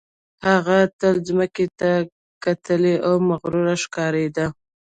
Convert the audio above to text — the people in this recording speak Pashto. هغه تل ځمکې ته کتلې او مغروره ښکارېده